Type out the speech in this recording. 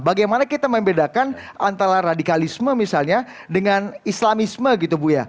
bagaimana kita membedakan antara radikalisme misalnya dengan islamisme gitu bu ya